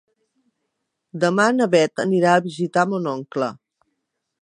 Demà na Bet anirà a visitar mon oncle.